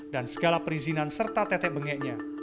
dan segala perizinan serta tetek bengeknya